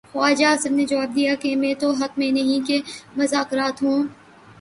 خواجہ آصف نے جواب دیا کہ میں تو حق میں نہیں کہ مذاکرات ہوں۔